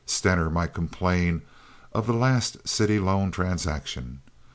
Stener might complain of this last city loan transaction.